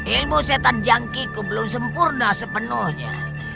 ilmu setan jangkiku belum sempurna sepenuhnya